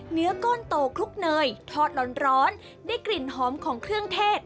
เนื้อก้อนโตคลุกเนยทอดร้อนได้กลิ่นหอมของเครื่องเทศ